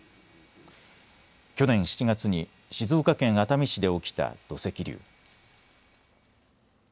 去年７月に静岡県熱海市で起きた土石流。